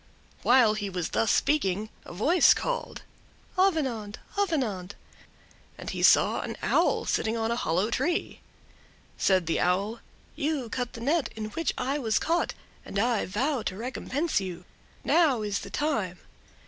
While he was thus speaking a voice called: "Avenant, Avenant!"—and he saw an Owl sitting on a hollow tree. Said the Owl: "You cut the net in which I was caught, and I vow to recompense you. Now is the time.